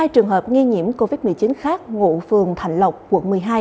hai trường hợp nghi nhiễm covid một mươi chín khác ngụ phường thạnh lộc quận một mươi hai